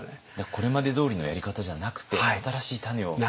これまでどおりのやり方じゃなくて新しい種を。